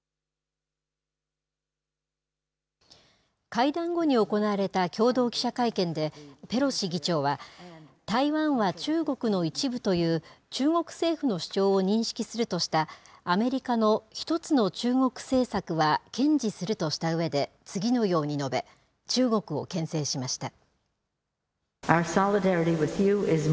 会談後に行われた共同記者会見で、ペロシ議長は、台湾は中国の一部という中国政府の主張を認識するとした、アメリカの１つの中国政策は堅持するとしたうえで、次のように述べ、中国をけん制しました。